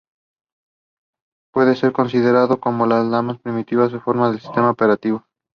Puede ser considerado como la más primitiva forma de sistema operativo.